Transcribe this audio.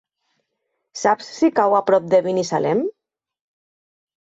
Saps si cau a prop de Binissalem?